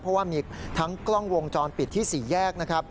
เพราะว่ามีทั้งกล้องวงจรปิดที่๔แยกนะครับ